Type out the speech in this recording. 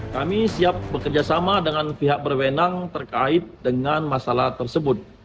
kami siap bekerjasama dengan pihak berwenang terkait dengan masalah tersebut